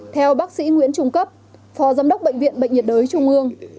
theo bác sĩ nguyễn trung cấp phó giám đốc bệnh viện bệnh nhiệt đới trung ương